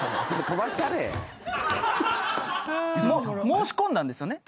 申し込んだんですよね？